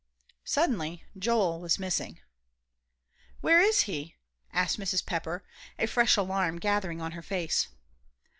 Suddenly Joel was missing. "Where is he?" asked Mrs. Pepper, a fresh alarm gathering on her face.